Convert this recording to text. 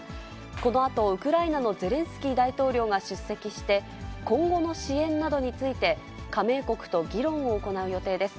このあとウクライナのゼレンスキー大統領が出席して、今後の支援などについて、加盟国と議論を行う予定です。